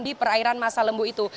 di perairan masa lembu itu